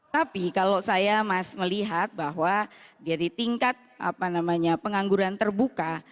tapi kalau saya melihat bahwa dari tingkat pengangguran terbuka